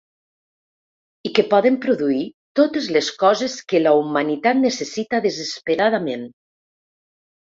I que poden produir totes les coses que la humanitat necessita desesperadament.